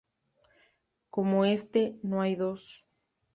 Como éste, no hay dos